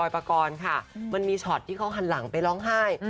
ปากรค่ะมันมีช็อตที่เขาหันหลังไปร้องไห้